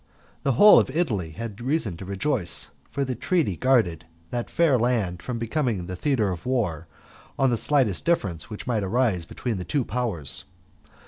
The whole of Italy had reason to rejoice, for the treaty guarded that fair land from becoming the theatre of war on the slightest difference which might arise between the two Powers.